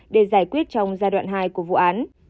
để giải quyết trong giai đoạn hai của vụ án